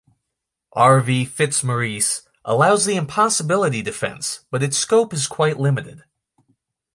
"R v Fitzmaurice" allows the impossibility defence, but its scope is quite limited.